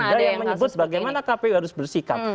tidak pernah ada yang menyebut bagaimana kpu harus bersikap